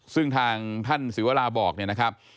ซึ่งทางท่านศิวราบอกเนี่ยนะครับ